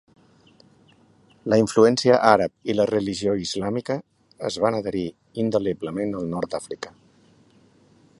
La influència àrab i la religió islàmica es van adherir indeleblement al nord d'Àfrica.